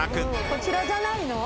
こちらじゃないの？